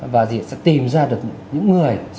và sẽ tìm ra được những người